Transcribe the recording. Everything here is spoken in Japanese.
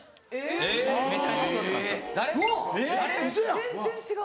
全然違う。